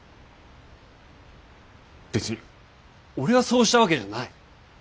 別に俺がそうしたわけじゃない。